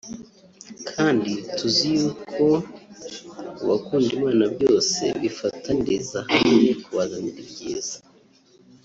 Kandi tuzi yuko ku bakunda Imana byose bifataniriza hamwe kubazanira ibyiza